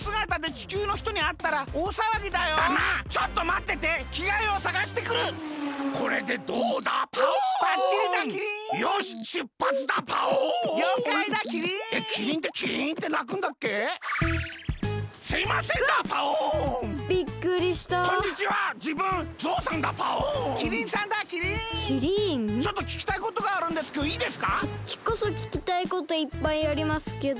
こっちこそききたいこといっぱいありますけどまあおさきにどうぞ。